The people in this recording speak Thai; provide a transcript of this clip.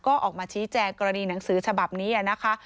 ก็ออกมาชี้แจงกรณีหนังสือฉบับนี้นะคะ